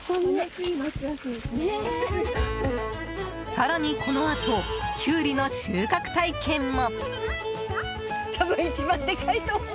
更に、このあとキュウリの収穫体験も。